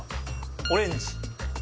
オレンジ。